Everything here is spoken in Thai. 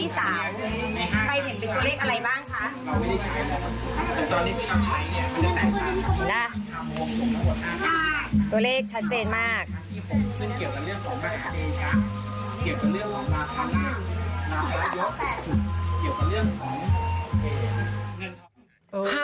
เราไม่ได้ใช้นะครับแต่ตอนนี้ที่เราใช้เนี่ยมันเป็นแต่งภาพ